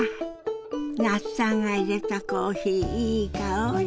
那須さんがいれたコーヒーいい香り。